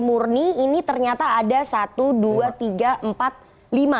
murni ini ternyata ada satu dua tiga empat lima